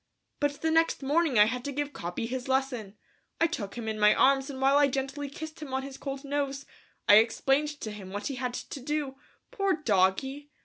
But the next morning I had to give Capi his lesson, I took him in my arms and while I gently kissed him on his cold nose, I explained to him what he had to do; poor doggy!